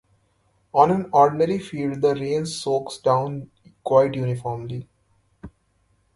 On an ordinary field the rain soaks down quite uniformly.